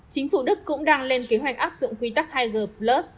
chính phủ đức cũng đang lên kế hoạch áp dụng quy tắc hai g plus